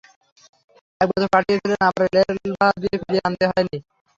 একবার তো পাঠিয়েছিলেন, আবার রেলভাড়া দিয়ে ফিরিয়ে আনতে হয় নি?